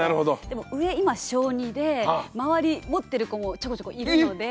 でも上今小２で周り持ってる子もちょこちょこいるので。